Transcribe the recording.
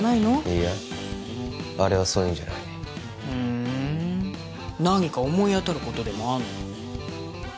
いやあれはそういうのじゃないふん何か思い当たることでもあんの？